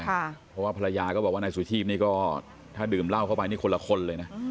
เพราะว่าภรรยาก็บอกว่านายสุชีพนี่ก็ถ้าดื่มเหล้าเข้าไปนี่คนละคนเลยนะ